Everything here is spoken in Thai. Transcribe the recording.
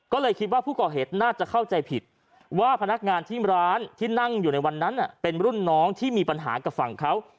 ก็เลยคิดว่าผู้ก่อเหตุน่าจะเข้าใจผิดว่าพนักงานที่ร้านที่นั่งอยู่ในวันนั้นเป็นรุ่นน้องที่มีปัญหากับฝั่งเขา